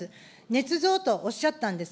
ねつ造とおっしゃったんです。